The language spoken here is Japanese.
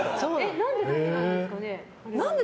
何でダメなんですかね。